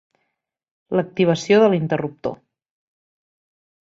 L'activació de l'interruptor.